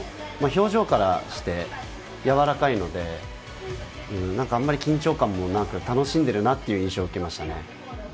表情からしてやわらかいので、あまり緊張感もなく楽しんでるなという印象を受けましたね。